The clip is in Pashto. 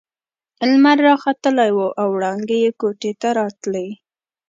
لمر راختلی وو او وړانګې يې کوټې ته راتلې.